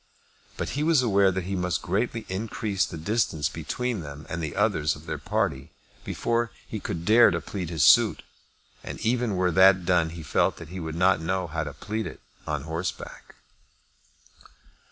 But he was aware that he must greatly increase the distance between them and the others of their party before he could dare to plead his suit, and even were that done he felt that he would not know how to plead it on horseback.